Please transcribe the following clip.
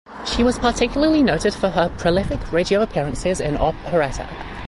She was particularly noted for her prolific radio appearances in operetta.